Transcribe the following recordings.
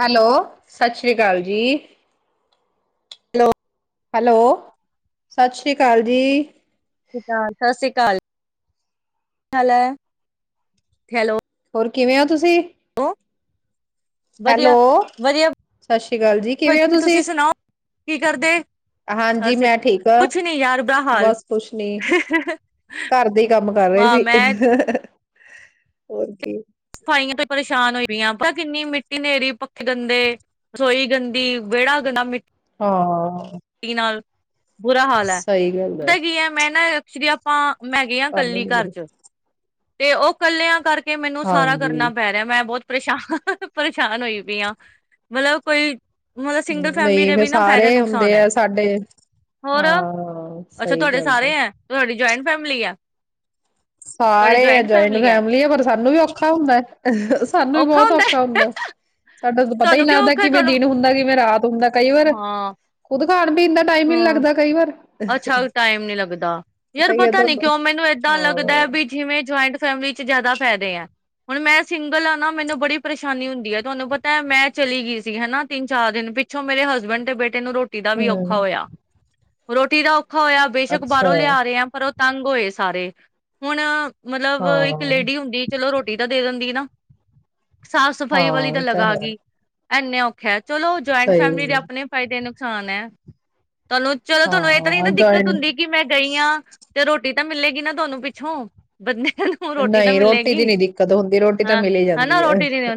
Hello ਸਤਿ ਸ੍ਰੀ ਅਕਾਲ ਜੀ। ਹੈਲੋ ਹੈਲੋ, ਸਤਿ ਸ੍ਰੀ ਅਕਾਲ ਜੀ [unintelligible] ਸਤਿ ਸ੍ਰੀ ਅਕਾਲ, ਕੀ ਹਾਲ ਹੈ, ਹੈਲੋ ਹੋਰ ਕਿਵੇਂ ਹੋ ਤੁਸੀਂ [unintelligible] ਵਧੀਆ ਹੈਲੋ, ਵਧੀਆ ਸਤ ਸ੍ਰੀ ਅਕਾਲ ਜੀ ਕਿਵੇਂ ਹੋ ਵਧੀਆ ਤੁਸੀਂ, ਸੁਣਾਓ ਕੀ ਕਰਦੇ ਹਾਂਜੀ ਅਸੀ ਮੈਂ ਠੀਕ ਹ ਕੁਛ ਨੀ ਯਾਰ ਬੁਰਾ ਹਾਲ ਬਸ ਕੁਛ ਨੀ ਘਰ ਦੇ ਇ ਕੰਮ ਕਰ ਰਹੇ ਹਾਂ ਸੀ ਮੈਂ ਹੋਰ ਕੀ ਸਫਾਈਆਂ ਤੇ ਪਰੇਸ਼ਾਨ ਹੋਈ ਪਈ ਆਂ ਕਿੰਨੀ ਮਿੱਟੀ ਹਨੇਰੀ ਪੱਖੇ ਗੰਦੇ, ਰਸੋਈ ਗੰਦੀ ਵਿਹੜਾ ਗੰਦਾ ਮਿੱਟੀ ਨਾਲ ਹਾਂ ਬੁਰਾ ਹਾਲ ਹੈ ਸਹੀ ਗੱਲ ਪਤਾ ਐ ਕੀ ਹੈ ਮੈਂ ਨਾ ਅ [unintelligible] ਮੈਂ ਹੈਗੀਆਂ ਕੰਮ ਹੀ ਕੱਲੀ ਨੀ ਘਰ ਮਿਲੇ, ਚ ਤੇ ਉਹ ਕੱਲੇਆਂ ਕਰਕੇ ਮੈ ਸਾਰਾ ਕਰਨਾ ਹਾਂਜੀ ਪੈ ਰਿਹਾ ਮੈਂ ਬਹੁਤ ਪਰੇਸ਼ਾਨ-ਪਰੇਸ਼ਾਨ ਹੋਈ ਪਈ ਆ, ਮਤਲਬ ਕੋਈ ਮਤਲਬ ਸਿੰਗਲ ਫੈਮਿਲੀ ਨਹੀਂ ਦੇ ਫੇਿਰ ਵੀ ਨਾ ਸਾਰੇ ਫਾਇਦੇ ਨੁਕਸਾਨ ਹੁੰਦੇ ਹੈ ਆ ਸਾਡੇ, ਹੋਰ ਹਾਂ ਸਹੀ ਗੱਲ ਐ ਫੈਮਲੀ ਆ ਸਾਰੇ ਆ ਜੁਆਇੰਟ ਫੈਮਿਲੀ ਆ ਪਰ ਸਾਨੂੰ ਵੀ ਓ ਔਖਾ ਹੁੰਦਾ ਐ ਸਾਨੂੰ ਵੀ ਬਹੁਤ ਔਖਾ ਹੁੰਦਾ ਸਾਡਾ ਪਤਾ ਹੀ ਤੁਹਾਨੂੰ ਕਿਉਂ ਲੱਗਦਾ ਔਖਾ ਕਿਵੇਂ ਤੁਹਾਨੂੰ ਦਿਨ ਹੁੰਦਾ ਕਿਵੇਂ ਰਾਤ ਹੁੰਦਾ ਕਈ ਵਾਰ ਹਾਂ ਕਾਰ [unintelligible] ਪੀਣ ਦਾ ਟਾਈਮ ਹੀ ਨੀ ਹਮ ਲੱਗਦਾ ਕਈ ਵਾਰ ਅੱਛਾ ਟਾਈਮ ਨੀ ਲੱਗਦਾ ਯਾਰ ਹੀ ਹੈ ਪਤਾ ਨੀ ਤੁਹਾਨੂੰ ਕਿਉਂ ਮੈਨੂੰ ਏਦਾਂ ਲੱਗਦਾ ਵੀ ਜਿਵੇਂ ਜੁਆਇੰਟ ਫੈਮਿਲੀ ਚ ਜ਼ਿਆਦਾ ਫਾਇਦੇ ਆ। ਹੁਣ ਮੈਂ ਸਿੰਗਲ ਹਨਾ ਮੈਨੂੰ ਬੜੀ ਪਰੇਸ਼ਾਨੀ ਹੁੰਦੀ ਹੈ ਤੁਹਾਨੂੰ ਪਤਾ ਮੈਂ ਚਲੀ ਗਈ ਸੀ ਹਨਾ ਤਿੰਨ ਚਾਰ ਦਿਨ ਪਿੱਛੋਂ ਮੇਰੇ ਹਸਬੈਂਡ ਤੇ ਬੇਟੇ ਤੈਨੂੰ ਰੋਟੀ ਦਾ ਵੀ ਔਖਾ ਹੂੰ ਹੋਇਆ। ਰੋਟੀ ਦਾ ਹੋਇਆ ਬੇਸ਼ਕ ਅੱਛਾ ਬਾਹਰੋਂ ਲਿਆ ਰਹੇ ਆ ਪਰ ਤੰਗ ਹੋਏ ਸਾਰੇ। ਹੁਣ ਮਤਲਬ ਹਾਂ ਇੱਕ ਲੇਡੀ ਹੁੰਦੀ ਚਲੋ ਰੋਟੀ ਰੋਟੀ ਤਾਂ ਦੇ ਦਿੰਦੀ ਨਾ। ਸਾਫ਼ ਸਫ਼ਾਈ ਵਾਲੀ ਹਾਂ ਤਾਂ ਇਹ ਲਗਾ ਹੈ ਗਈ। ਇੰਨੇ ਔਖਾ ਏ। ਚਲੋ ਉਹ ਜੁਆਇੰਟ ਫੈਮਲੀ ਦੇ ਸਹੀ ਆਪਣੇ ਫਾਈਦੇ ਨੇ। ਨੁਕਸਾਨ ਹੈ ਚਲੋ ਚਲੋ ਤੁਹਾਨੂੰ ਇਹ ਤਾਂ ਨੀ ਹਾਂ ਨਾ ਦਿੱਕਤ ਜੁਆਇੰਟ ਹੁੰਦੀ ਕਿ ਮੈਂ ਗਈ ਹਾਂ ਤੇ ਰੋਟੀ ਤਾਂ ਮਿਲੇਗੀ ਨਾ ਤੁਹਾਨੂੰ ਪਿੱਛੋਂ ਬੰਦੇ ਨੂੰ ਰੋਟੀ ਤਾਂ ਨਹੀਂ ਦੀ ਮਿਲੇਗੀ ਨੀ ਦਿੱਕਤ ਹੁੰਦੀ ਰੋਟੀ ਤਾਂ ਹਾਂ ਮਿਲ ਹੀ ਹਨਾ ਜਾਂਦੀ ਹੈ ਰੋਟੀ ਨੀ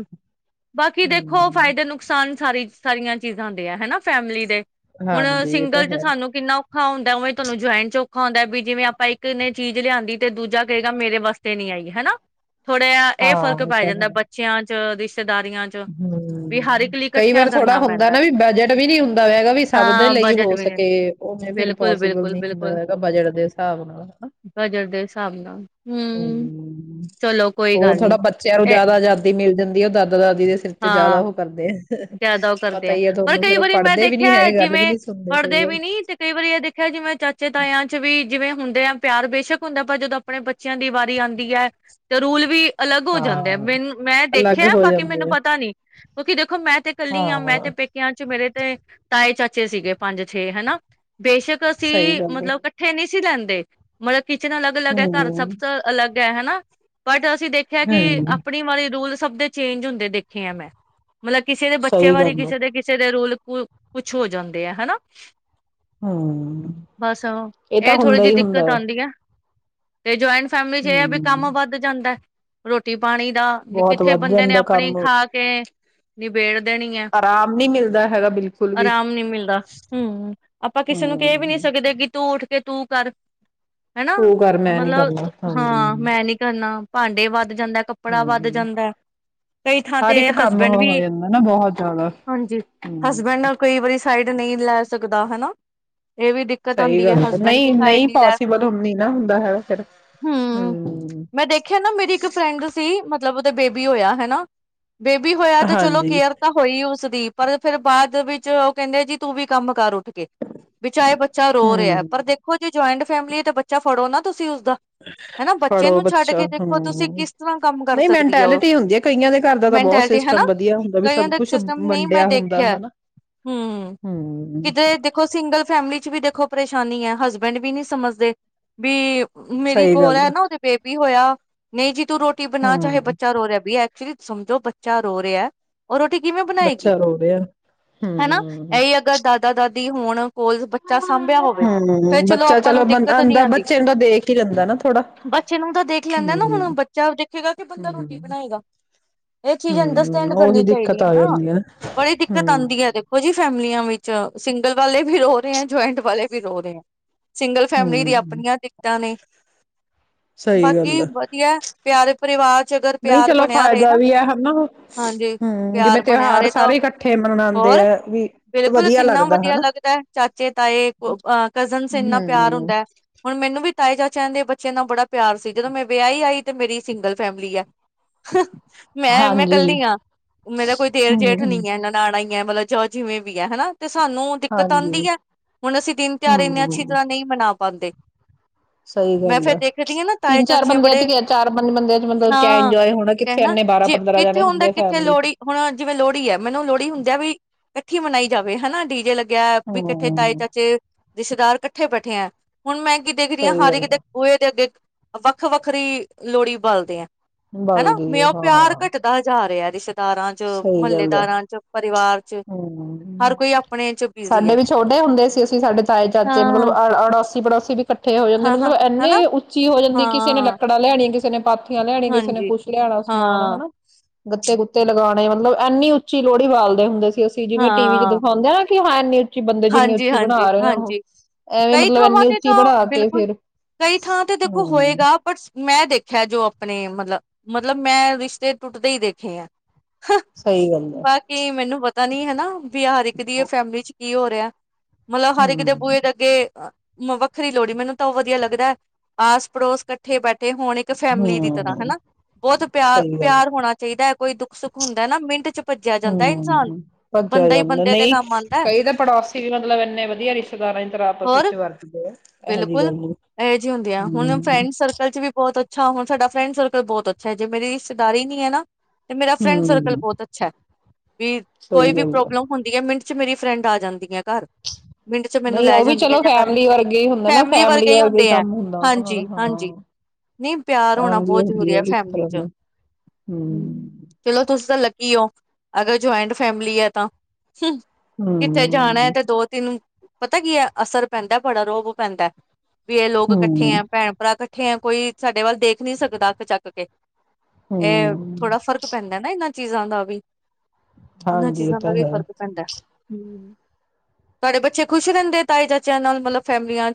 ਬਾਕੀ ਦੇਖੋ ਫਾਇਦੇ ਹੂੰ ਨੁਕਸਾਨ ਸਾਰੀ ਸਾਰੀਆਂ ਚੀਜ਼ਾਂ ਦੇ ਆ ਹਨਾ ਫੈਮਿਲੀ ਦੇ ਹਾਂਜੀ ਇਹ ਤਾਂ ਹੈ। ਇੰਨਾ ਔਖਾ ਹੁੰਦਾ ਉਵੇਂ ਤੁਹਾਨੂੰ ਜੁਆਇੰਟ ਚ ਔਖਾ ਹੁੰਦਾ ਵੀ ਜਿਵੇਂ ਆਪਾਂ ਇੱਕ ਨੇ ਚੀਜ਼ ਲਿਆਂਦੀ ਤੇ ਦੂਜਾ ਕੇਗਾ ਮੇ ਵਾਸਤੇ ਨੀ ਆਈ ਹਨਾ। ਥੋੜ੍ਹਾ ਇਹ ਫ਼ਰਕ ਹਾਂ ਪੈ ਤਾਂ ਜਾਂਦਾ ਹੈ ਬੱਚਿਆਂ ਚ ਰਿਸ਼ਤਿਆ ਹੂੰ ਕਈ ਇਕੱਠਿਆਂ ਵਾਰ ਥੋੜਾ ਕਰਨਾ ਹੁੰਦਾ ਪੈਂਦਾ ਨਾ ਵੀ ਬਜਟ ਵੀ ਨੀ ਹੁੰਦਾ ਵੈਗਾ ਵੀ ਸਭ ਦੇ ਹਾਂ ਲਈ ਬਜਟ ਹੋ ਵੀ ਨੇ, ਸਕੇ। ਉਹਨੇ ਫਿਰ ਬਿਲਕੁਲ ਪੋਸੀਬਲ ਬਿਲਕੁਲ ਨੀ ਹੁੰਦਾ ਬਿਲਕੁਲ ਹੈਗਾ ਬਜਟ ਦੇ ਹਿਸਾਬ ਨਾਲ ਹਨ। ਬਜਟ ਦੇ ਹਿਸਾਬ ਨਾਲ ਹਮ ਹੂੰ ਚਲੋ ਕੋਈ ਹੋਰ ਗੱਲ ਨੀ ਥੋੜਾ ਬੱਚਿਆਂ ਨੂੰ ਇਹ ਜ਼ਿਆਦਾ ਜ਼ਿਆਦੀ ਮਿਲ ਜਾਂਦੀ ਉਹ ਦਾਦਾ ਦਾਦੀ ਹਾਂ ਕਰਦੇ ਆ ਜ਼ਿਆਦਾ ਉਹ ਕਰਦੇ ਪਤਾ ਆ ਹੀ ਹੈ ਪਰ ਤੁਹਾਨੂੰ ਫੇਰ ਕਈ ਉਹ ਵਾਰੀ ਮੈਂ ਪੜ੍ਹਦੇ ਵੀ ਨੀ ਦੇਖਿਆ ਹੈਗੇ ਗੱਲ ਵੀ ਜਿਵੇਂ ਨੀ ਸੁਣਦੇ ਕਈ ਪੜ੍ਹਦੇ ਵਾਰ ਵੀ ਨੀ ਤੇ ਕਈ ਵਾਰੀ ਇਹ ਦੇਖਿਆ ਜਿਵੇਂ ਚਾਚੇ ਤਾਇਆਂ ਚ ਵੀ ਜਿਵੇਂ ਹੁੰ ਪਿਆਰ ਬੇਸ਼ੱਕ ਹੁੰਦਾ ਪਰ ਜਦੋਂ ਆਪਣੇ ਬੱਚਿਆਂ ਦੀ ਵਾਰੀ ਆਦੀ ਹੈ ਤੇ ਰੂਲ ਵੀ ਅਲੱਗ ਹੋ ਜਾਂਦੇ ਆ ਹਾਂ ਮੈਨੂੰ ਮੈਂ ਅਲੱਗ ਦੇਖਿਆ ਹੋ ਬਾਕੀ ਮੈਨੂੰ ਜਾਂਦੇ ਆ ਪਤਾ ਕਿਉਕਿ ਦੇਖੋ ਮੈਂ ਤੇ ਕੱਲੀ ਹਾਂ ਮੈਂ ਤੇ ਪੇਕਿਆਂ ਚ ਮੇਰੇ ਤੇ ਤਾਏ ਚਾਚੇ ਬੱਚੇ ਸੀਗੇ ਪੰਜ ਛੇ ਹਨਾ। ਬੇਸ਼ੱਕ ਅਸੀਂ ਸਹੀ ਗੱਲ ਹੈ ਮਤਲਬ ਇਕੱਠੇ ਨਹੀਂ ਲੈਂਦੇ ਮਤਲਬ ਕਿਚਨ ਅਲੱਗ ਅਲੱਗ ਹੈ, ਘਰ ਸਭ ਹਮ ਤੋਂ ਅਲੱਗ ਪਿਆ ਹਨਾ, ਬਟ [unintelligible] ਤੁਸੀਂ ਦੇਖਿਆ ਕਿ ਹਮ ਆਪਣੀ ਵਾਲੀ ਰੂਲ, ਸਭ ਦੇ ਚੇਂਜ ਹੁੰਦੇ ਦੇਖ ਖਿਆ ਮੈਂ, ਮਤਲਬ ਕਿਸੇ ਦੇ ਬੱਚਿਆ ਸਹੀ ਬਾਰੇ ਗੱਲ ਹੈ ਕਿਸੇ ਦੇ ਕਿਸੇ ਦੇ ਰੋਲ। ਕੁ ਕੁਛ ਹੋ ਜਾਂਦੇ ਆ, ਹਨਾ। ਹੂੰ, ਬਸ ਇਹ ਤਾਂ ਥੋੜ੍ਹੀ ਹੁੰਦਾ ਜਿਹੀ ਹੀ ਹੁੰਦਾ ਦਿੱਕਤ ਹੈ। ਆਉਂਦੀ ਤੇ ਜੁਆਇੰਨ, ਫੈਮਿਲੀ ਚ ਇਹ ਹੈ ਵੀ ਕੰਮ ਹਮ ਵੱਧ ਜਾਂਦਾ ਹੈ। ਰੋਟੀ ਪਾਣੀ ਦਾ, [unintelligible] ਬਹੁਤ ਕਿੱਥੇ ਵੱਧ ਬੰਦੇ ਨੇ ਜਾਂਦਾ ਆਪਣੀ ਕੰਮ ਖਾ ਕੇ। ਨੀ ਬੇੜ ਦੇਣੀ ਹੈ, ਆਰਾਮ ਨਹੀਂ ਮਿਲਦਾ ਹੈਗਾ ਬਿਲਕੁਲ ਵੀ ਆਰਾਮ ਨੀ ਮਿਲਦਾ, ਹੂੰ ਆਪਾਂ ਕਿਸੇ ਨੂੰ ਕਹਿ ਵੀ ਨੀ ਹਮ ਸਕਦੇ ਕਿ ਤੂ ਕੇ ਤੂੰ ਕਰ ਹੈਨਾ, ਤੂੰ ਕਰ ਮੈਂ ਨੀ ਕਰਨਾ ਮਤਲਬ ਹਮ ਹਾਂ ਮੈਂ ਨੀ ਕਰਨਾ ਭਾਂਡੇ ਵੱਧ ਜਾਂਦਾ ਕੱਪੜਾ ਵੱਧ ਹਮ ਜਾਂਦਾ। ਕਈ ਥਾਂ ਹਰ ਤੇ ਇੱਕ ਕੰਮ ਹਸਬੈਂਡ ਉਹ ਵੀ, ਹੋ ਜਾਂਦਾ ਨਾ ਬਹੁਤ ਜ਼ਿਆਦਾ ਹਾਂਜੀ ਹਸਬੈਂਡ ਹਮ ਨਾ ਕਈ ਵਾਰੀ ਸਾਈਡ ਨਹੀਂ ਲੈ ਸਕ ਦੇ ਲੱਗਦਾ ਹੈ ਨਾ ਇਹ ਵੀ ਦਿੱਕਤ ਸਹੀ ਆਉਂਦੀ ਗੱਲ ਹੈ, ਹਸਬੈਂਡ ਵੀ ਨਹੀਂ ਸਾਈਡ ਨਹੀਂ ਨੀ ਲੈ ਪੋਸੀਬਲ ਸਕਦੇ ਹੁਣ ਨੀ ਨਾ ਹੁੰਦਾ ਹੈਗਾ ਫਿਰ ਹੂੰ ਹਮ ਮੈਂ ਦੇਖਿਆ ਨਾ ਮੇਰੀ ਇੱਕ ਫਰੈਂਡ ਸੀ ਮਤਲਬ ਉਹਦੇ ਬੇਬੀ ਹੋਇਆ ਹੈਨਾ, ਬੇਬੀ ਹੋਇਆ ਤੇ ਚਲੋ ਹਾਂਜੀ ਕੇਅਰ ਤਾਂ ਹੋਈ ਉਸ ਦੀ ਪਰ ਫਿਰ ਬਾਅਦ ਵਿੱਚ ਉਹ ਕਹਿੰਦੇ ਜੀ ਤੂੰ ਵੀ ਕੰਮ ਕਰ, ਉੱਠ ਕੇ ਚਾਹੇ ਬੱਚਾ ਰੋ ਰਿਹਾ ਹੈ, ਹਮ ਪਰ ਦੇਖੋ ਜੇ ਜੁਆਇੰਟ ਫੈਮਿਲੀ ਤੇ ਬੱਚਾ ਫੜੋ ਨਾ, ਤੁਸੀਂ ਉਸ [unintelligible] ਹੈਨਾ ਬੱਚੇ ਫੜੋ ਨੂੰ ਛੱਡ ਬੱਚਾ ਕੇ ਦੇਖੋ ਤੁਸੀਂ ਹਮ ਕਿਸ ਤਰ੍ਹਾਂ ਕੰਮ ਕਰ ਨਹੀਂ ਸਕਦੀ ਆ ਉਹ ਮੈਂਟੈਲਿਟੀ ਹੁੰਦੀ ਹੈ ਕਈਆਂ ਦੇ ਘਰ ਦਾ ਤਾਂ ਬਹੁਤ ਮੈਂਟੈਲਿਟੀ ਹੈਨਾ, ਸਿਸਟਮ ਵਧੀਆ ਹੁੰਦਾ ਵੀ ਕਈਆਂ ਸਭ ਦੇ ਕੁਛ ਸਿਸਟਮ ਨਹੀਂ ਮੈਂ ਵੰਡਿਆ ਹੁੰਦਾ ਦੇਖਿਆ ਹਨਾ ਹੂੰ ਹਮ ਕਿਤੇ ਦੇਖੋ ਸਿੰਗਲ ਫੈਮਲੀ ਚ ਵੀ ਦੇਖੋ ਪਰੇਸ਼ਾਨੀ ਹੈ, ਹਸਬੈਂਡ ਵੀ ਨੀ ਸਮਝਦੇ ਵੀ ਮੇਰੀ ਸਹੀ ਕੋਲ ਹੈ, ਗੱਲ ਨਾ ਉਹਦੇ ਬੇਬੀ ਹੋਇਆ ਨਹੀਂ ਜੀ ਤੂੰ ਰੋਟੀ ਬਣਾ ਚਾਹੇ ਹਮ ਬੱਚਾ ਰੋ ਰਿਹਾ ਵੀ ਹੈ। ਐਕਚੁਲੀ ਸਮਝੋ ਬੱਚਾ ਰੋ ਰਿਹਾ, ਉਹ ਰੋਟੀ ਕਿਵੇਂ ਬਣਾਏਗੀ, ਬੱਚਾ ਰੋ ਰਿਹਾ ਹੈਨਾ ਹਮ ਇਹੀ ਅਗਰ ਦਾਦਾ ਦਾਦੀ ਵੀ ਹੁਣ। ਸਪੋਸ ਬੱਚਾ ਸਾਂਭਿਆ ਹੋਵੇ, ਫੇਰ ਹਮ ਚਲੋ ਬੱਚਾ ਆਪਾਂ ਨੂੰ ਦਿੱਕਤ ਨੀ ਆਂਦਾ ਆਉਂਦੀ, ਬੱਚੇ ਨੂੰ ਤਾਂ ਦੇਖ ਹੀ ਲੈਂਦਾ ਨਾ ਥੋੜਾ ਬੱਚੇ ਨੂੰ ਤਾਂ ਦੇਖ ਲੈਂਦਾ ਨਾ ਹਮ ਹੁਣ ਬੱਚਾ ਦੇਖੇਗਾ ਕਿ ਬੰਦਾ ਹਮ ਰੋਟੀ ਬਣਾਏਗਾ। ਇਹ ਚੀਜ਼ ਹਮ ਅੰਡਰਸਟੈਂਡ ਉਹੀ ਕਰਨੀ ਚਾਹੀਦੀ ਦਿੱਕਤ ਹੈ ਆ ਨਾ ਜਾਂਦੀ ਬੜੀ ਦਿੱਕਤ ਆਂਦੀ ਹੈ ਹੂੰ-ਹੂੰ, ਦੇਖੋ ਜੀ ਫੇਰ ਫੈਮਲੀਆਂ ਵਿੱਚ ਸਿੰਗਲ ਵਾਲੇ ਵੀ ਰੋ ਰਹੇ ਆ ਜੁਆਇੰਟ ਵਾਲੇ ਵੀ ਰੋ ਰਹੇ ਆ। ਸਿੰਗਲ ਫੈਮਿਲੀ ਦੀ ਆਪਣੀਆਂ ਦਿਕਤਾਂ ਨੇ ਸਹੀ ਗੱਲ ਬਾਕੀ ਐ। ਵਧੀਆ ਪਿਆਰੇ ਪਰਿਵਾਰ ਚ ਅਗਰ ਨਹੀਂ ਪਿਆਰ ਚਲੋ ਫਾਇਦਾ [unintelligible] ਵੀ ਹੈ ਹਨਾ। ਹਾਂਜੀ, ਹੂੰ, ਪਿਆਰ ਜਿਵੇਂ ਬਣਿਆ ਤਿਉਹਾਰ ਰਹੇ ਤਾਂ ਸਾਰੇ ਇਕੱਠੇ ਮਨਾਉਂਦੇ ਆ ਹੋਰ ਵੀ ਬਿਲਕੁਲ ਵਧੀਆ ਕਿੰਨਾ ਲੱਗਦਾ ਵਧੀਆ ਹਨਾ। ਲੱਗਦਾ ਚਾਚੇ ਤਾਏ ਕਜ਼ਨਸ ਇੰਨਾ ਪਿਆਰ ਹੂੰ, ਹੁੰਦਾ ਹੁਣ ਮੈਨੂੰ ਤਾਏ ਚਾਚੇ ਦੇ ਬੱਚਿਆਂ ਨਾਲ ਬੜਾ ਪਿਆਰ ਸੀ ਜਦੋਂ ਮੈਂ ਵਿਆਹੀ ਆਈ ਤੇ ਮੇਰੀ ਸਿੰਗਲ ਫੈਮਿਲੀ ਐ। [unintelligible] ਮੈਂ ਮੈਂ ਹਾਂਜੀ। ਕੱਲੀ ਆ ਮੇਰਾ ਕੋਈ ਦੇਰ ਜੇਠ ਨੀ ਹੂੰ, ਨਨਾਣ ਹੀ ਮਤਲਬ ਜੋ ਜਿਵੇਂ ਵੀ ਹੈ ਹਨਾ। ਤੇ ਸਾਨੂੰ ਦਿੱਕਤ ਹਾਂਜੀ। ਆਂਦੀ ਐ ਹੁਣ ਅਸੀਂ ਦਿਨ ਤਿਉਹਾਰ ਇੰਨੇ ਅੱਛੀ ਹੂੰ, ਤਰ੍ਹਾਂ ਨਹੀਂ ਮਨਾ ਪਾਂਦੇ। ਸਹੀ ਗੱਲ ਆ ਹਾਂ ਨਾ ਤਾਏ ਤਿੰਨ ਚਾਰ ਚਾਚੇ ਬੰਦਿਆਂ ਬੜੇ ਚ ਗਿਆ ਚਾਰ ਪੰਜ ਬੰਦਿਆਂ ਚ ਮਤਲਬ ਕਿਆ ਹਾਂ ਇੰਜੋਏ ਹੋਣਾ ਕਿੱਥੇ ਕਹਿਣਾ ਇੰਨੇ ਬਾਰਾਂ ਜੇ ਪੰਦਰਾਂ ਕਿੱਥੇ ਜਾਣੇ ਹੁੰਦਾ ਹੁੰਦੇ ਆ ਕਿੱਥੇ ਫੈਮਿਲੀ ਚ। ਲੋਹੜੀ ਹੁਣ ਜਿਵੇਂ ਲੋਹੜੀ ਹੈ ਮੈਨੂੰ ਲੋਹੜੀ ਹੁੰਦਿਆਂ ਵੀ ਇਕੱਠੀ ਮਨਾਈ ਜਾਵੇ ਹਨਾ ਡੀ ਜੇ ਲੱਗੇ ਗਿਆ ਵੀ ਇਕੱਠੇ ਤਾਏ ਹੂੰ, ਚਾਚੇ ਰਿਸ਼ਤੇਦਾਰ ਇੱ ਕੱਠੇ ਬੈਠੇ ਆ ਹੁਣ ਮੈਂ ਦੇਖਦੀ ਆ ਸਹੀ ਹਰ ਇੱਕ ਗੱਲ ਦੇ ਬੂਹੇ ਦੇ ਅੱਗੇ ਵੱਖ ਵੱਖਰੀ ਲੋਹੜੀ ਬਾਲਦੇ ਐ। ਹਨਾ ਬਲਦੀ ਮੈਂ ਹੈ ਉਹ ਪਿਆਰ ਹਾਂ। ਘਟਦਾ ਜਾ ਰਿਹਾ। ਦਾਰਾਂ ਚ ਸਹੀ ਗੱਲ ਆ ਮਹੱਲੇਦਾਰਾਂ ਚ ਪਰਿਵਾਰ ਚ ਹਰ ਹੂੰ, ਕੋਈ ਆਪਣੇ ਚ ਬਿਜ਼ੀ ਸਾਡੇ ਹੈ ਵੀ ਛੋਟੇ ਹੁੰਦੇ ਸੀ ਅਸੀਂ ਸਾਡੇ ਚਾਏ ਚਾਚੇ ਮਤਲਬ ਹਾਂ ਅ ਅੜ ਅਸੀਂ ਪੜੋਸੀ ਵੀ ਕੱਠ ਇਕੱਠੇ ਹੋ ਜਾਂਦੇ ਹਾਂ ਹਾਂ ਮਤਲਬ ਹਨਾ ਇੰਨੇ ਉੱਚੀ ਹੋ ਜਾਂਦੀ ਕਿਸੇ ਨੇ ਹਾਂ ਲੱਕੜਾਂ ਲਿਆਣੀਆਂ ਕਿਸੇ ਕਿਸੇ ਨੇ ਪਾਥੀਆ। ਲਿਆਣੇ ਕਿਸੇ ਨੇ ਹਾਂਜੀ ਕੁੱਛ ਲਿਆਣਾ ਹਾਂ ਸਮਾਨ ਹਨਾ। ਗੱਤੇ ਗੁੱਤੇ ਲਗਾਉਣੇ ਮਤਲਬ ਇੰਨੀ ਉੱਚੀ ਲੋਹੜੀ ਬਾਲਦੇ ਹੁੰਦੇ ਸੀ। ਅਸੀਂ ਜਿਵੇਂ ਟੀ ਵੀ ਚ ਹਾਂ ਦਿਖਾਉਂਦਾ। [unintelligible] ਹਾਂਜੀ, ਹਾਂਜੀ, ਹਾਂਜੀ ਐਵੇਂ ਕਈ ਮਤਲਬ ਥਾਵਾਂ ਇੰਨੀ ਤੇ ਉੱਚੀ ਤਾਂ ਬਣਾ ਕੇ ਬਿਲਕੁਲ, ਫਿਰ ਕਈ ਥਾਵਾਂ ਤੇ ਦੇਖੋ ਹਮ ਹੋਏਗਾ ਬਟਸ ਮੈਂ ਦੇਖਿਆ ਜੋ ਆਪਣੇ ਮਤਲਬ ਮਤਲਬ, ਮੈਂ ਰਿਸ਼ਤੇ ਟੁੱਟਦੇ ਹੀ ਦੇਖੇ ਆ। ਹਾ ਸਹੀ ਗੱਲ ਹੈ ਬਾਕੀ ਮੈਨੂੰ ਪ ਤਾਂ ਨੀ ਹਨਾ ਵੀ ਹਰ ਇੱਕ ਦੀ ਐ ਫੈਮਿਲੀ ਚ ਕੀ ਹੋ ਰਿਹਾ? ਮਤਲਬ ਹਰ ਇੱਕ ਦੇ ਹਮ ਬੂਹੇ ਦੇ ਅੱਗੇ ਵੱਖਰੀ ਲੋਹੜੀ ਮੈਨੂੰ ਤਾਂ ਉਹ ਵਧੀਆ ਲੱਗਦਾ ਹੈ, ਆਸ ਪੜੋਸ ਇਕੱਠੇ ਬੈਠੇ ਤੇ ਹੁਣ ਇੱਕ ਫੈਮਿਲੀ ਦੀ ਤਰ੍ਹਾਂ ਹਮ ਹਨਾ, ਬਹੁਤ ਪਿਆਰ ਸਹੀ ਗੱਲ ਪਿਆਰ ਹੋਣਾ ਚਾਹੀਦਾ। ਕੋਈ ਦੁੱਖ- ਸੁੱਖ ਹੁੰਦਾ ਨਾ ਮਿੰਟ ਚ ਭੱਜਿਆ ਜਾਂਦਾ ਇਨਸਾਨ ਹੂੰ, ਭੱਜਿਆ ਬੰਦਾ ਹੀ ਜਾਂਦਾ ਬੰਦੇ ਦੇ ਨਹੀਂ ਕੰਮ ਆਉਂਦਾ ਕਹੀਦਾ ਪੜੋਸੀ ਵੀ ਮਤਲਬ ਇੰਨੇ ਵਧੀਆ ਰਿਸ਼ਤੇਦਾਰਾਂ ਦੀ ਤਰ੍ਹਾਂ ਆਪਸ ਹੋਰ ਵਿੱਚ ਵਰਤਦੇ ਆ। ਇਹੋ ਜਿਹੀ ਬਿਲਕੁਲ ਗੱਲ ਨੀ ਇਹੋ ਜਿਹੀ ਹੁੰਦੀ ਆ, ਹੁਣ ਹਮ ਫਰੈਂਡ ਸਰਕਲ ਚ ਵੀ ਬਹੁਤ ਹਾਂ ਹੁਣ ਸਾਡਾ ਫਰੈਂਡ ਸਰਕਲ ਬਹੁਤ ਅੱਛਾ ਹੈ, ਜੇ ਮੇਰੀ ਰਿਸ਼ਤੇਦਾਰੀ ਨੀ ਹੈ ਨਾ ਤੇ ਮੇਰਾ ਫਰੈਂਡ ਸਰਕਲ ਹਮ ਬਹੁਤ ਅੱਛਾ ਹੈ। ਵੀ ਕੋਈ ਸਹੀ ਵੀ ਗੱਲ ਆ ਪ੍ਰੋਬਲਮ ਹੁੰਦੀ ਹੈ, ਮਿੰਟ ਵਿੱਚ ਮੇਰੀ ਫਰੈਂਡ ਆ ਜਾਂਦੀਆ। ਘਰ ਮਿੰਟ ਚ ਮੈਨੂੰ ਨਹੀਂ ਲੈ ਉਹ ਵੀ ਜਾਂਦੀਆ ਚਲੋ ਜਾਂ ਕਰ ਫੈਮਲੀ ਦਿੰਦੀਆਂ ਵਰਗੇ ਹੀ ਹੁੰਦਾ ਨਾ ਫੈਮਿਲੀ ਫੈਮਲੀ ਵਰਗੇ ਹੀ ਵਰਗਾ ਹੁੰਦੇ ਹੈ, ਕੰਮ ਹੁੰਦਾ ਉਹਨਾਂ ਨਾਲ ਹਾਂਜੀ- ਹਾਂਜੀ ਹਾਂ ਨਹੀਂ ਪਿਆਰ ਹੋਣਾ ਫੈਮਲੀ ਬਹੁਤ ਜ਼ਰੂਰੀ ਹੁੰਦੀ ਹੈ, ਉਹ ਵੀ ਇੱਕ ਫੈਮਲੀ ਤਰ੍ਹਾਂ ਚ ਨਾਲ ਹੂੰ ਹਮ ਚਲੋ ਤੁਸੀ ਤਾਂ ਲਗੇ ਕੀ ਓਹ ਅਗਰ ਜੁਆਇੰਟ ਫੈਮਿਲੀ ਹੈ ਤਾਂ ਹੂੰ ਕਿੱਥੇ ਜਾਣਾ ਹੈ ਹਮ ਤੇ ਦੋ ਤਿੰਨ ਪਤਾ ਕੀ ਹੈ, ਅਸਰ ਪੈਂਦਾ ਬੜਾ ਰੋਅਬ ਪੈਂਦਾ ਵੀ ਇਹ ਲੋਕ ਇਕੱਠੇ ਹਮ ਆ, ਭੈਣ-ਭਰਾ ਇਕੱਠੇ ਹੈਂ ਕੋਈ ਸਾਡੇ ਵੱਲ ਦੇਖ ਨੀ ਸਕਦਾ ਅੱਖ ਚੱਕ ਕੇ। ਇਹ ਹਮ ਥੋੜਾ ਫ਼ਰਕ ਪੈਂਦਾ ਨਾ ਇਹਨਾਂ ਚ ਚੀਜ਼ਾਂ ਦਾ ਵੀ ਇਹਨਾਂ ਹਾਂਜੀ ਇਹ ਚੀਜ਼ਾਂ ਤਾਂ ਦਾ ਵੀ ਹੈ ਫ਼ਰਕ ਪੈਂਦਾ। ਹੂੰ, ਤੁਹਾਡੇ ਬੱਚੇ ਖੁਸ਼ ਰਹਿੰਦੇ ਤਾਏ ਚਾਚਿਆਂ ਨਾਲ ਮਤਲਬ ਫੈਮਲੀਆਂ ਨਾਲ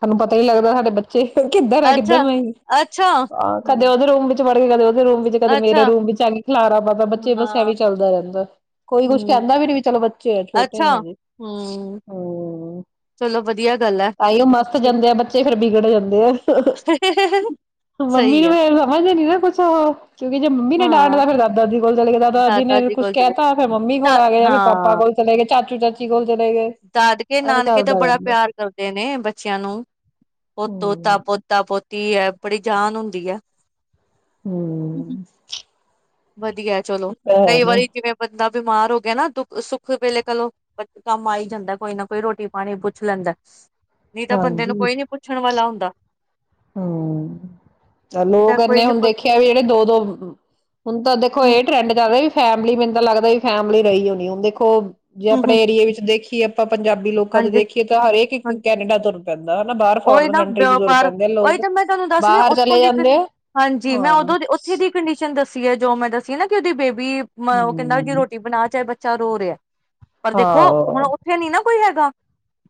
ਸਾਨੂੰ ਪਤਾ ਨੀ ਲੱਗਦਾ ਸਾਡੇ ਬੱਚੇ ਕਿੱਧਰ ਆ ਕਿੱਧਰ ਅੱਛਾ ਨਹੀਂ ਅੱਛਾ ਆ, ਕਦੇ ਹਮ ਉਹਦੇ ਰੂਮ ਵਿੱਚ ਤੇ ਵੜਗੇ ਕਦੇ ਓ ਰੂਮ ਵਿੱਚ ਕਦੇ ਮੇਰੇ ਅੱਛਾ ਰੂਮ ਵਿੱਚ ਆ ਕੇ ਖਿਲਾਰਾ ਪਾਤ ਬੱਚੇ ਬੱਸ ਇਹ ਹਾਂ ਵੀ ਚੱਲਦਾ ਰਹਿੰਦਾ। ਕੋਈ ਕੁਛ ਹਮ ਕਹਿੰਦਾ ਵੀ ਨੀ ਵੀ ਚਲੋ ਬੱਚੇ ਆ ਛੋਟੇ ਅੱਛਾ ਆ ਹਜੇ ਹਮ ਹੂੰ ਚਲੋ ਵਧੀਆ ਗੱਲ ਹੈ। ਤਾਂਹੀਓ ਅੱਛੀ ਜਾਂਦੇ ਆ ਬੱਚੇ ਫੇਰ ਬਿਗੜ ਜਾਂਦੇ ਆ ਮੰਮੀ ਸਹੀ ਨੂੰ ਹੈ ਫੇਰ ਸਮਝਦੇ ਨੀ ਨਾ ਕੁਛ ਉਹ ਕਿਉਂਕਿ ਜੇ ਮੰਮੀ ਨੇ ਹਾਂ ਡਾਂਟਦਾ ਫੇਰ ਦਾਦਾਦੀ ਕੋਲ ਚਲੇ ਗਏ ਦਾਦਾ ਦਾਦੀ ਨੇ ਜੀ ਕੁੱਛ ਕੋਲ ਚਲੇ ਕਹਿਤਾ ਫਿਰ ਮੰਮੀ ਦਾ ਕੋਲ ਆ ਗ ਫਿਰ ਪਾਪਾ ਕੋਲ ਚਲੇ ਗਏ ਚਾਚਾ-ਚਾਚੀ ਕੋਲ ਚਲੇ ਗਏ ਐਵੇਂ ਦਾਦਕੇ-ਨਾਨਕੇ ਤਾਂ ਚੱਲਦਾ ਬੜਾ ਰਹਿੰਦਾ ਪਿਆਰ ਕਰਦੇ ਨੇ ਬੱਚਿਆਂ ਨੂੰ ਨੂੰ ਪ ਤੋਤਾ ਹੂੰ ਪੋਤਾ ਪੋਤਾ ਕੀ ਹੈ ਬੜੀ ਜਾਨ ਹੁੰਦੀ ਹੈ ਹਮ ਵਧੀਆ ਚਲੋ ਕਈ ਵਾਰੀ ਜਿਵੇਂ ਬੰਦਾ ਬਿਮਾਰ ਹੋ ਗਿਆ ਨਾ ਦੁੱਖ ਸੁੱਖ ਵੇਲੇ ਕਲੋ ਕੰਮ ਆਈ ਜਾਂਦਾ ਕੋਈ ਨਾ ਕੋਈ ਰੋਟੀ ਪਾਣੀ ਪੁੱਛ ਲੈਂਦਾ ਨਹੀਂ ਤਾਂ ਬੰਦੇ ਨੂੰ ਕੋਈ ਨੀ ਪੁੱਛਣ ਵਾਲਾ ਹੂ ਤਾਂ ਚਲ ਨਹੀਂ ਲੋਕ ਤਾਂ ਕੋਈ ਨੀ ਉਹਨੂੰ ਦੇਖੇ ਨਾ ਹੁਣ ਤਾਂ ਦੇਖੋ ਹਮ ਇਹ ਟਰੈਂਡ ਚੱਲਦਾ ਫੈਮਲੀ ਮੈਨੂੰ ਤਾਂ ਲੱਗਦਾ ਵੀ ਫੈਮਿਲੀ ਰਹੀ ਹੋਣੀ ਹੁਣ ਦੇਖੋ ਜੇ ਹਮ ਆਪਣੇ ਹਮ ਏਰੀਏ ਵਿੱਚ ਦੇਖੀਏ। ਕੀ ਆਪਾਂ ਪੰਜਾਬੀ ਲੋਕਾਂ ਦੇ ਹਾਂਜੀ ਦੇਖੀਏ ਤਾਂ ਹਰੇਕ ਇੱਕ ਹਾਂਜੀ ਕੈਨੇਡਾ ਤੁਰ ਪੈਂਦਾ ਹਨਾ ਬਾਹਰ ਉਹੀ ਫੋਰਨ ਨਾ ਕੰਟਰੀ ਚ ਤੁਰ ਵਪਾਰ ਪੈਂਦਾ ਉਹੀ ਤਾਂ ਮੈਂ ਤੁਹਾਨੂੰ ਦੱਸਦੀ ਉੱਥੋਂ ਦੀ ਹਾਂਜੀ ਮੈਂ ਹਾਂ ਉਦੋਂ ਦੀ ਉੱਥੇ ਦੀ ਕੰਡੀਸ਼ਨ ਦੱਸੀ ਹੈ ਜੋ ਮੈਂ ਦੱਸੀ ਨਾ ਕਿ ਉਹਦੀ ਬੇਬੀ ਵੀ ਉਹ ਕਹਿੰਦਾ ਕਿ ਹੂੰ ਰੋਟੀ ਬਣਾ ਚਾਹੇ ਬੱਚੇ ਚਾਰ ਹੋ ਰਿਹਾ [inaudible] ਪਰ ਦੇਖੋ ਹੁਣ ਹਾਂ ਉੱਥੇ ਨੀ ਨਾ ਹੈਗਾ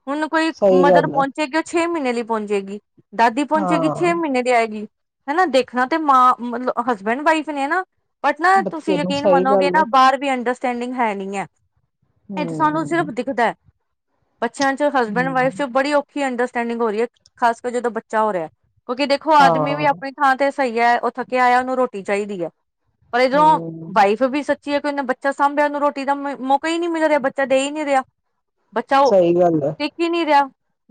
ਹੁਣ ਕੋਈ ਸਹੀ ਮਦਰ ਗੱਲ ਹੈ ਪਹੁੰਚੇ ਕਿ ਛੇ ਮਹੀਨੇ ਲਈ ਪਹੁੰਚੇਗੀ ਦਾਦੀ ਪਹੁੰਚੇਗੀ ਛੇ ਹਾਂ ਮਹੀਨੇ ਦੀ ਆਏਗੀ ਹਨਾ ਦੇਖਣਾ ਤੇ ਮਾਂ ਮਤਲ ਹਸਬੈਂਡ ਵਾਈਫ ਨੇ ਨਾ ਬਟ ਨਾ ਤੁਸੀਂ ਬੱਚੇ ਨੂੰ ਯਕੀਨ ਸਹੀ ਮੰਨੋਗੇ ਗੱਲ ਨਾ ਹੈ ਬਾਹਰ ਵੀ ਅੰਡਰ ਸਟੈਂਡਿੰਗ ਹੈ ਨਹੀਂ ਹੈ। ਇਹ ਤਾਂ ਸਾਨੂੰ ਹੂੰ ਸਿਰਫ਼ ਦਿਖਦਾ ਹੈ। ਬੱਚਿਆਂ ਚ ਹਸਬੈਂਡ ਵਾਈਫ ਚ ਹੂੰ ਬੜੀ ਔਖੀ ਇੰਡਸ ਸਟੈਂਡਿੰਗ ਹੋ ਰਹੀ ਹੈ ਖਾਸ ਕਰ ਜਦੋਂ ਬੱਚਾ ਹੋ ਰਿਹਾ ਹੈ। ਕਿਉਂਕਿ ਦੇਖੋ ਆਦਮੀ ਵੀ ਹਾਂ ਆਪਣੀ ਥਾਂ ਤੇ ਸਹੀ ਐ ਉਹ ਥੱਕਿਆ ਆਇਆ ਉਹਨੂੰ ਰੋਟੀ ਚਾਹੀਦੀ ਹੈ। ਪਰ ਇਧਰੋਂ ਹੂੰ ਵਾਈਫ ਵੀ ਸੱਚੀ [unintelligible] ਨਾ ਬੱਚਾ ਸਾਂਭਿਆ ਉਹਨੂੰ ਰੋਟੀ ਦਾ ਮ ਮੌਕਾ ਹੀ ਨਹੀਂ ਮਿਲ ਰਿਹਾ ਬੱਚਾ ਦੇ ਹੀ ਨਹੀਂ ਰਿਹਾ। ਬੱਚਾ ਉਹ ਸਹੀ ਗੱਲ ਹੈ ਦਿਖ ਹੀ ਨਹੀਂ ਰਿਹਾ।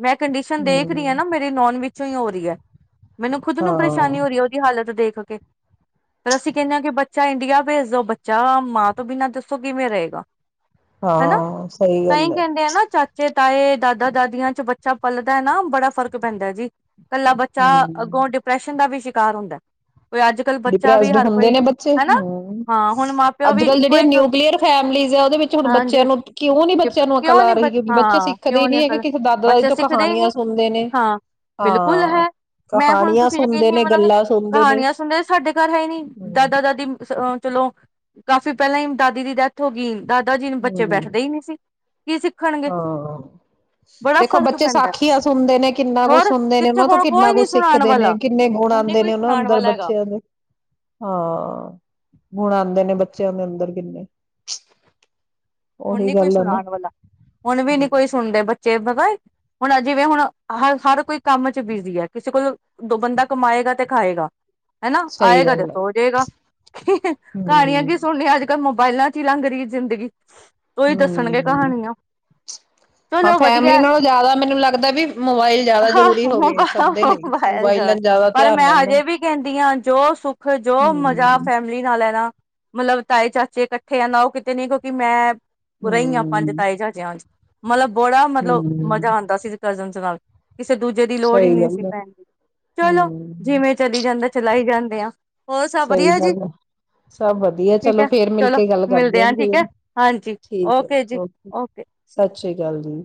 ਮੈਂ ਕੰਡੀਸ਼ਨ ਦੇਖ ਹੂੰ ਰਹੀ ਹਾਂ ਨਾ ਮੇਰੇ ਨੋਨ ਪਿੱਛੋਂ ਹੀ ਹੋ ਰਹੀ ਹੈ। ਮੈਨੂੰ ਖੁਦ ਨੂੰ ਹਾਂ ਪਰੇਸ਼ਾਨੀ ਹੋ ਰਹੀ ਹੈ ਉਹਦੀ ਹਾਲਤ ਦੇਖ ਦੇਖ ਕੇ ਪਰ ਅਸੀਂ ਕਹਿਨੇ ਆ ਕਿ ਬੱਚਾ ਇੰਡੀਆ ਭੇਜ ਦੋ ਬੱਚਾ ਮਾਂ ਤੋਂ ਬਿਨਾਂ ਕਿਵੇਂ ਰਹੇਗਾ। ਹਨਾ ਹਾਂ ਸਹੀ। ਤਾਂ ਹੀ ਗੱਲ ਹੈ। ਕਹਿੰਦੇ ਆ ਨਾ ਚਾਚੇ ਤਾਏ, ਦਾਦਾ, ਦਾਦੀਆਂ ਚ ਬੱਚਾ ਪਲਦਾ ਨਾ ਬੜਾ ਫ਼ਰਕ ਪੈਂਦਾ ਜੀ। ਇਕੱਲਾ ਬੱਚਾ ਹਮ। ਅੱਗੋਂ ਡਿਪਰੈਸ਼ਨ ਦਾ ਵੀ ਸ਼ਿ ਕਾਰ ਹੁੰਦਾ। ਕੋਈ ਅੱਜ ਕੱਲ੍ਹ ਬੱਚਾ ਵੀ ਡਿਪਰੈਸਡ ਹਰ ਹੁੰਦੇ ਕੋਈ ਨੇ ਬੱਚੇ ਹਨਾ ਹਮ ਹਾਂ ਹੁਣ ਮਾਂ ਪਿਓ ਅੱਜ ਵੀ ਕੱਲ ਇੱਕੋ ਜਿਹੜੀਆਂ ਇੱਕ ਨਿਊਕਲੀਅਰ ਫੈਮਲੀਸ ਆ ਉਹਦੇ ਵਿੱਚ ਹੁਣ ਬੱਚਿਆਂ ਹਾਂਜੀ ਨੂੰ ਕਿਉਂ ਨੀ ਬੇ ਡਿਪ- ਬੱਚਿਆਂ ਨੂੰ ਅਕਲ ਕਿਉਂ ਆ ਨੀ ਰਹੀ ਬੱਚ ਕਿਉਂਕਿ ਬੱਚਾ ਹਾਂ ਸਿੱਖਦੇ ਹੀ ਕਿਉਂ ਨੀ ਹੈਗੇ ਅਕਲ ਕਿਸੇ ਦਾਦਾ ਦਾਦੀ ਬੱਚੇ ਤੋਂ ਸਿੱਖਦੇ ਹੀ ਨੀ ਕਹਾਣੀਆਂ ਸੁਣਦੇ ਨੇ ਹਾਂ ਬਿਲਕੁਲ ਹਾਂ, ਹੈ ਮੈਂ ਹੁਣ ਕਹਾਣੀਆਂ ਤੁਸੀਂ ਯਕੀਨ ਸੁਣਦੇ ਨਹੀਂ ਨੇ ਮੰਨੋਗੇ ਗੱਲਾਂ ਸੁਣਦੇ ਨੇ। ਕਹਾਣੀਆਂ ਸੁਣਦੇ ਘਰ ਹੈ ਨੀ ਹਮ। ਦਾਦਾ ਦਾਦੀ ਅ ਚਲੋ ਕਾਫੀ ਪਹਿਲਾਂ ਹੀ ਦਾਦੀ ਦੀ ਡੈਥ ਹੋ ਗਈ। ਦਾਦਾ ਜੀ ਨੂੰ ਬੱਚੇ ਹਮ ਬੈਠਦੇ ਹੀ ਨਹੀਂ ਸੀ। ਕੀ ਸਿੱਖਣਗੇ ਹਾਂ, ਬੜਾ ਦੇਖੋ ਫ਼ਰਕ ਬੱਚੇ ਪੈਂਦਾ ਸਾਖੀਆਂ ਸੁਣਦੇ ਨੇ ਕਿੰਨਾ ਕੁੱਛ ਹੋਰ ਸੁਣਦੇ ਨੇ ਕਿੱਥੇ ਉਹਨਾਂ ਤੋਂ ਹੁਣ ਕਿੰਨਾ ਕੋਈ ਨੀ ਕੁਛ ਸੁਣਾਉਣ ਸਿੱਖਦੇ ਨੇ ਵਾਲਾ ਕਿੰਨੇ ਗੁਣ ਹੁਣ ਨੀ ਆਂਦੇ ਕੋਈ ਨੇ ਉਹਨਾਂ ਸੁਣਾਉਣ ਅੰਦਰ ਵਾਲਾ ਹੈਗਾ ਬੱਚਿਆਂ ਦੇ ਹਾਂ ਗੁਣ ਆਉਂਦੇ ਨੇ ਬੱ ਬੱਚਿਆਂ ਦੇ ਅੰਦਰ ਕਿੰਨੇ ਹੁਣ ਉਹੀ ਨੀ ਕੋਈ ਗੱਲ ਆ ਨਾ। ਸੁਣਾਉਣ ਵਾਲਾ ਹੁਣ ਵੀ ਨੀ ਹਮ ਕੋਈ ਸੁਣਦੇ ਬੱਚੇ। ਪਤਾ ਹੁਣ ਆ ਜਿਵੇਂ ਹੁਣ ਹ ਹਰ ਕੋਈ ਕੰਮ ਚ ਬਿਜੀ ਹੈ ਕਿਸੇ ਕੋਲ ਦੋ ਬੰਦਾ ਕਮਾਏਗਾ ਤੇ ਖਾਏਗਾ। ਹਨਾ ਸਹੀ ਆਏਗਾ ਤੇ ਗੱਲ ਹੈ ਸੋਜੇਗਾ ਕਹਾਣੀਆਂ ਕੀ ਹਮ ਸੁਣਨੀਆਂ ਅੱਜ ਕੱਲ ਮੋਬਾਇਲਾਂ ਚ ਹੀ ਲੰਘ ਰਹੀ ਜ਼ਿੰਦਗੀ। ਉਹੀ ਦੱਸਣਗੇ ਹਮ ਕਹਾਣੀਆਂ ਹਾਂ ਚਲੋ ਵਧੀਆ ਫੈਮਿਲੀ ਨਾਲੋਂ ਜ਼ਿਆਦਾ ਮੈਨੂੰ ਲੱਗਦਾ ਵੀ ਮੋਬਾਇਲ ਜ਼ਿਆਦਾ ਜ਼ਰੂਰੀ ਹੋ ਗਏ ਸਭ ਦੇ ਲਈ ਮੋਬਾਇਲਾਂ [unintelligible] ਜ਼ਿਆਦਾ ਪਰ ਧਿਆਨ ਮੈਂ ਰਹਿੰਦਾ ਹਜੇ ਵੀ ਕਹਿੰਦੀ ਆਂ ਜੋ ਸੁੱਖ ਜੋ ਮਜਾ ਹਮ ਫੈਮਲੀ ਨਾਲ ਐ ਨਾ। ਮਤਲਬ ਤਾਏ ਚਾਚੇ ਇਕੱਠੇ ਆ ਨਾ ਉਹ ਕਿਤੇ ਨੀ ਕਿ ਮੈਂ ਰਹੀਆਂ ਪੰਜ ਹਮ ਤਾਏ ਚਾਚਿਆਂ ਚ ਮਤਲਬ ਬੜਾ ਮਤਲਬ ਮਜ਼ਾ ਹਮ ਆਂਦੇ ਸੀ ਕਰਜਨ ਚ ਗਾਲ [inaudible] ਕਿਸੇ ਦੂਜੇ ਦੀ ਲੋੜ ਹੀ ਸਹੀ ਨਹੀਂ ਸੀ ਗੱਲ ਹੈ ਪੈਣ ਦੀ ਚਲੋ ਹਮ ਜਿਵੇਂ ਚਲੀ ਜਾਂਦਾ ਚਲਾਈ ਜਾਂਦਾ [inaudible] ਸਹੀ ਗੱਲ ਹੈ। ਸਭ ਵਧੀਆ ਠੀਕ ਚਲੋ ਹੈ ਫੇਰ ਚਲੋ ਮਿਲਕੇ ਗੱਲ ਮਿਲਦੇ ਆ ਠੀਕ ਹੈ ਕਰਦੇਿਆਂਨ ਹਾਂਜੀ ਠੀਕ ਹੈ। ਜੀ ਓਕੇ ਸਤਿ ਸ੍ਰੀ ਅਕਾਲ ਜੀ।